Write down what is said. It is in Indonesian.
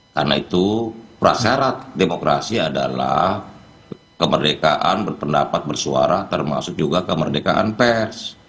karena itu prasyarat demokrasi adalah kemerdekaan berpendapat bersuara termasuk juga kemerdekaan pers